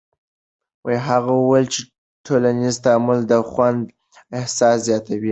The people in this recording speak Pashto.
هغه وویل چې ټولنیز تعامل د خوند احساس زیاتوي.